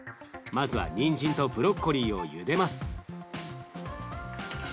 まずはにんじんとブロッコリーをゆでます。